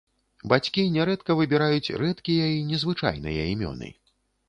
Бацькі нярэдка выбіраюць рэдкія і незвычайныя імёны.